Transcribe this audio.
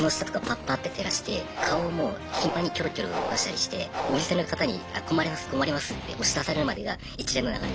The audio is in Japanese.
ッて照らして顔をもう頻繁にキョロキョロ動かしたりしてお店の方に「あ困ります困ります」って押し出されるまでが一連の流れです。